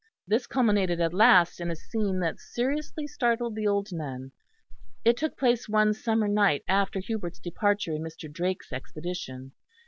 This culminated at last in a scene that seriously startled the old nun; it took place one summer night after Hubert's departure in Mr. Drake's expedition.